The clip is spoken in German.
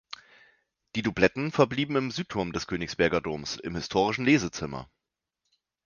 Die Dubletten verblieben im Südturm des Königsberger Doms, im historischen Lesezimmer.